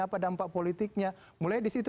apa dampak politiknya mulai disitu